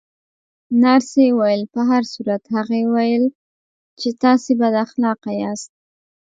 نرسې وویل: په هر صورت، هغې ویل چې تاسې بد اخلاقه یاست.